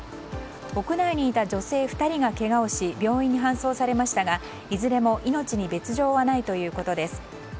屋内にいた女性２人がけがをし病院に搬送されましたがいずれも命に別条はないということです。